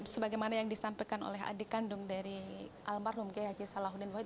sebagaimana yang disampaikan oleh adik kandung dari almarhum g h salahuddin woyt